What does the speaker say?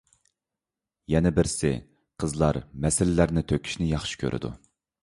يەنە بىرسى، قىزلار مەسىلىلەرنى تۆكۈشنى ياخشى كۆرىدۇ.